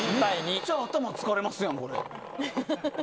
めっちゃ頭疲れますやん、これ。